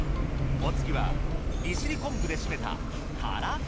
お次は利尻昆布で〆たたらこ。